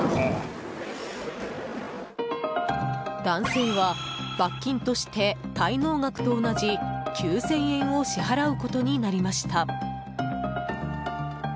男性は、罰金として滞納額と同じ９０００円を支払うことになりました。